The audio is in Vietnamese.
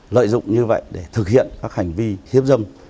lợi dụng như vậy để thực hiện các hành vi hiếp dâm